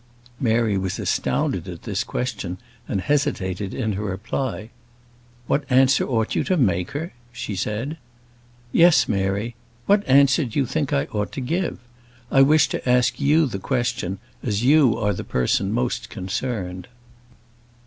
Mary was astounded at this question, and hesitated in her reply. "What answer ought you to make her?" she said. "Yes, Mary. What answer do you think I ought to give? I wish to ask you the question, as you are the person the most concerned."